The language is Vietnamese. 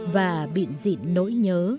và bịn dị nỗi nhớ